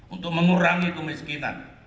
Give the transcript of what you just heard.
untuk mengurangi kemiskinan